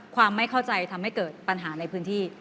ความไม่เข้าใจทำให้เกิดปัญหาในพื้นที่